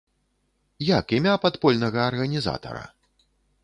Як імя падпольнага арганізатара?